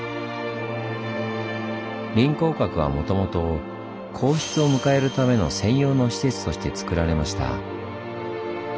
臨江閣はもともと皇室を迎えるための専用の施設としてつくられました。